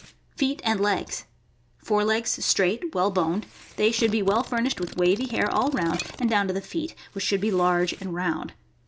Feet and legs. — Fore legs straight, well boned. They should be well furnished with wavy hair all round and down to the feet, which should be large and round.